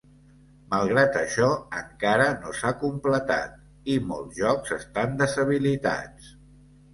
Malgrat això, encara no s"ha completat i molt jocs estan deshabilitats.